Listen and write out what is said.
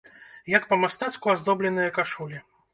Як па-мастацку аздобленыя кашулі!